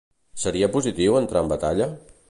Seria positiu entrar en batalla?